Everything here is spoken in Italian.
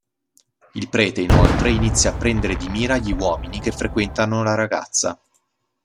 Il prete inoltre inizia a prendere di mira gli uomini che frequentano la ragazza.